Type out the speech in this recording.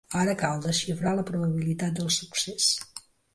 Ara cal desxifrar la probabilitat del succés.